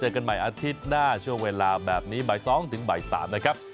กันใหม่อาทิตย์หน้าช่วงเวลาแบบนี้บ่าย๒ถึงบ่าย๓นะครับ